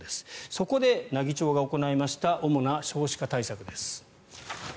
そこで奈義町が行いました主な少子化対策です。